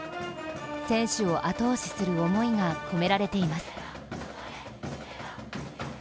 選手を後押しする思いが込められています。